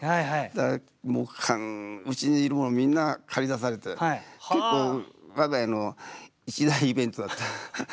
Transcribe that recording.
だからうちにいる者みんな駆り出されて結構我が家の一大イベントだった。